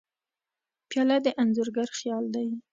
پیاله د انځورګر خیال دی.